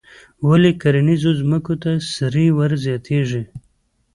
ولې کرنیزو ځمکو ته سرې ور زیاتیږي؟